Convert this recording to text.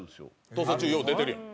『逃走中』よう出てるやん。